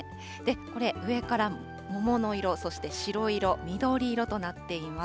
これ、上から桃の色、そして白色、緑色となっています。